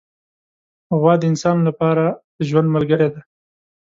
غوا د انسان له پاره د ژوند ملګرې ده.